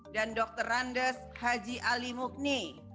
dr randes haji ali mukni